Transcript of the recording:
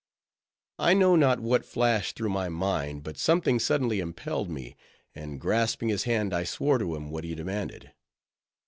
I know not what flashed through my mind, but something suddenly impelled me; and grasping his hand, I swore to him what he demanded.